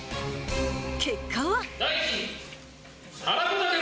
結果は。